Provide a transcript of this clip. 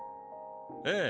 ええ。